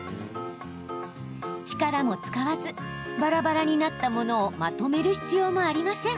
力も使わず、ばらばらになったものをまとめる必要もありません。